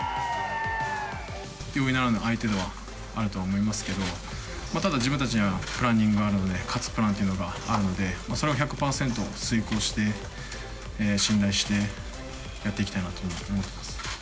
容易ならぬ相手ではあると思いますけれども、ただ自分たちにはプランニングがあるので、勝つプランというのがあるので、それを１００％遂行して、信頼してやっていきたいなと思います。